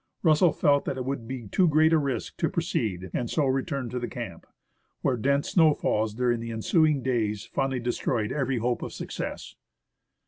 Russell felt that it would be too great a risk to proceed, and so returned to the camp, where dense snow falls during the ensuing days finally destroyed every hope of success.